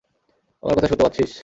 আমার কথা শুনতে পাচ্ছিস?